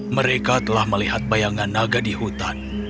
mereka telah melihat bayangan naga di hutan